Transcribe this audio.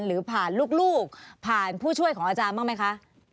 หรือผ่านลูกผ่านผู้ช่วยของอาจารย์บ้างไหมคะ